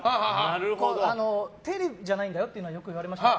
テレビじゃないんだよっていうのは言われました。